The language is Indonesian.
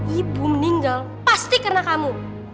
ibu meninggal pasti karena kamu